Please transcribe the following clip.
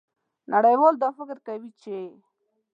نړیوال دا فکر کوي چې